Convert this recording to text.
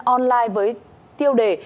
online với tiêu đề